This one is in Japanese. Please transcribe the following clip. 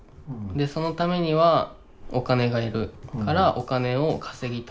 そのためにはお金が要るからお金を稼ぎたい。